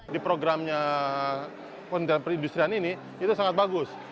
di programnya kementerian perindustrian ini itu sangat bagus